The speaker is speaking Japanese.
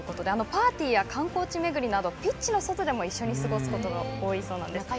パーティーや観光地巡りなどピッチの外でも一緒に過ごすことが多いと。